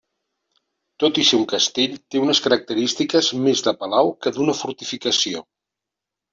Tot i ser un castell, té unes característiques més de palau que d'una fortificació.